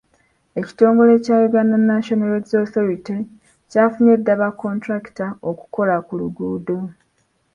Ekitongole kya Uganda National Roads Authority kyafunye dda ba kontulakita okukola ku nguudo.